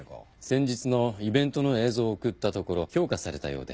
先日のイベントの映像を送ったところ評価されたようで。